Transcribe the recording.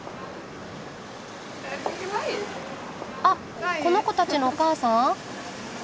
あっこの子たちのお母さん？